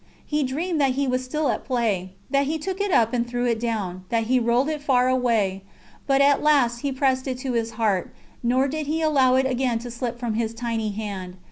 He dreamed that He was still at play, that He took it up or threw it down, that He rolled it far away, but at last He pressed it to His Heart, nor did He allow it again to slip from His tiny Hand.